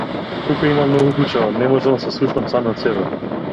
Тука има многу бучава, не можам да се слушнам самиот себе.